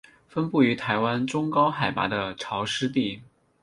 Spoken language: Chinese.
分布于台湾中高海拔的潮湿地。